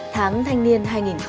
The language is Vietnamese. tháng thanh niên hai nghìn hai mươi bốn